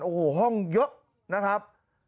โอ้โหห้องเยอะนะครับ